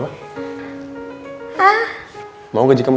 nemenin papa kamu